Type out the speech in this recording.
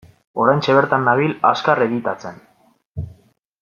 Oraintxe bertan nabil azkar editatzen.